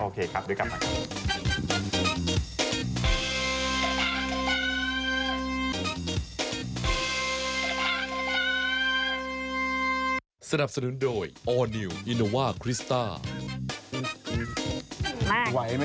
โอเคคลียร์หน่อยเงินในบัญชี